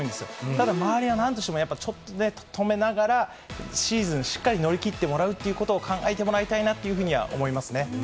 ただ、周りはなんとしてもやっぱりちょっと止めながら、シーズンしっかり乗り切ってもらうってことを考えてもらいたいなっていうふうには思いますね。